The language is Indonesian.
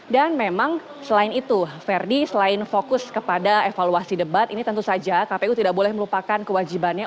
dan memang selain itu ferdie selain fokus kepada evaluasi debat ini tentu saja kpu tidak boleh melupakan kewajibannya